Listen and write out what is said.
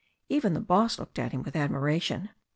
Even the boss looked at him with admiration.